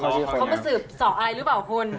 เขาไปสืบสอบอะไรรึเปล่าคน